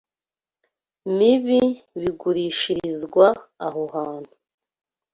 mibi bigurishirizwa aho hantu